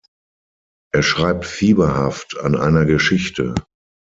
Er schreibt fieberhaft an einer Geschichte.